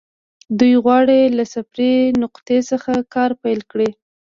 دوی غواړي له صفري نقطې څخه کار پيل کړي.